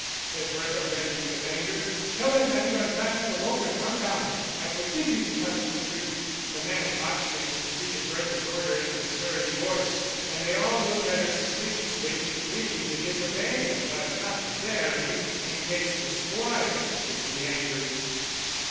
said Bertha, reddening with anger. "Tell that man to unfasten the rope and come down. I forbid you to touch the tree." The man Hodgkins repeated Bertha's order in a surly voice, and they all looked at her suspiciously, wishing to disobey but not daring in case the squire should be angry.